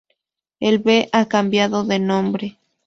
El B ha cambiado de nombre.